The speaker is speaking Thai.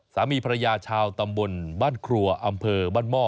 สามีภรรยาชาวตำบลบ้านครัวอำเภอบ้านหม้อ